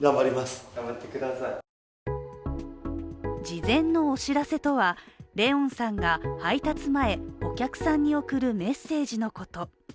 事前のお知らせとは怜音さんが配達前お客さんに送るメッセージのこと。